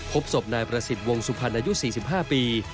พบศพนายประสิทธิ์วงสุพรรณอายุ๔๕ปี